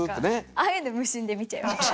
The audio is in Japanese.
ああいうの無心で見ちゃう。